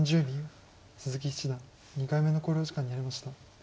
鈴木七段２回目の考慮時間に入りました。